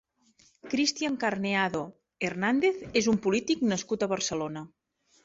Christian Carneado Hernández és un polític nascut a Barcelona.